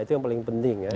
itu yang paling penting ya